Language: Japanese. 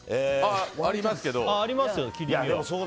ありますよ、切り身は。